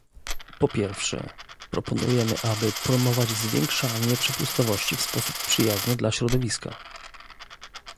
Po pierwsze, proponujemy, aby promować zwiększanie przepustowości w sposób przyjazny dla środowiska